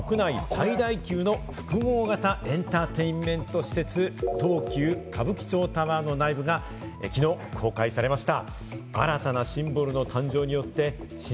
新宿・歌舞伎町にオープンする国内最大級の複合型エンターテインメント施設、東急歌舞伎町タワーの内部が昨日公開されました。